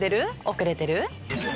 遅れてる？